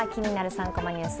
３コマニュース」